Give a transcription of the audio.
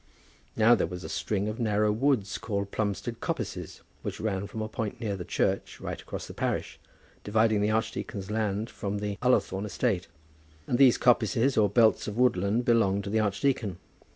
Now there was a string of narrow woods called Plumstead Coppices which ran from a point near the church right across the parish, dividing the archdeacon's land from the Ullathorne estate, and these coppices, or belts of woodland, belonged to the archdeacon.